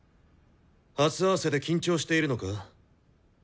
初合わせで緊張しているのか？